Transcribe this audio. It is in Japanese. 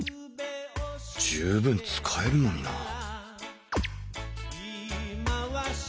十分使えるのになあ